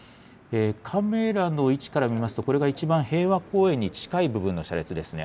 カメラの位置から見ますと、これが一番平和公園に近い部分の車列ですね。